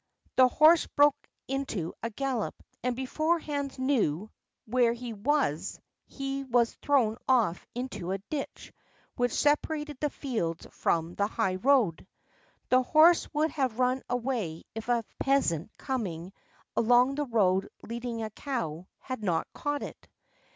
The horse broke into a gallop, and before Hans knew where he was he was thrown off into a ditch which separated the fields from the highroad. The horse would have run away if a peasant coming along the road leading a cow, had not caught it.